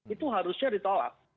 itu harusnya ditolak